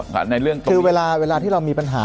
ค่ะในเรื่องคือเวลาที่เรามีปัญหา